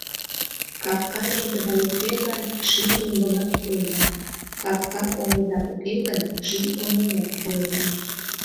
Капка меҥгыда уке гын, Ший меҥгымат пуэна. Капка оҥада уке гын, Ший оҥамат пуэна.